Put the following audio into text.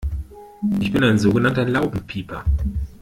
Ich bin ein sogenannter Laubenpieper.